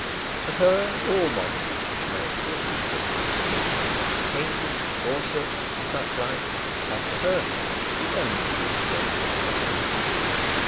To her all modern English names were equally insignificant. Hengist, Horsa, and such like, had for her the only true savour of nobility.